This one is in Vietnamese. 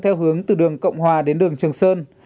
theo hướng từ đường cộng hòa đến đường trường sơn